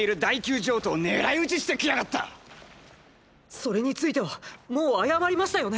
それについてはもう謝りましたよね！